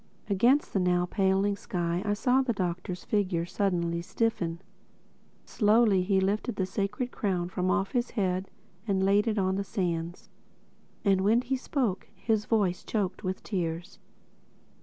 Against the now paling sky I saw the Doctor's figure suddenly stiffen. Slowly he lifted the Sacred Crown from off his head and laid it on the sands. And when he spoke his voice was choked with tears.